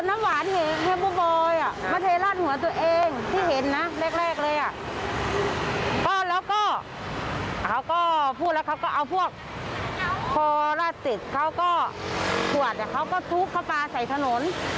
พอราศติกเขาก็สวดเขาก็ทุกเขาปลาใส่ถนน